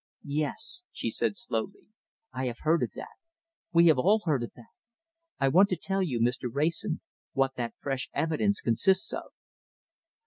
"Yes!" she said slowly, "I have heard of that. We have all heard of that. I want to tell you, Mr. Wrayson, what that fresh evidence consists of."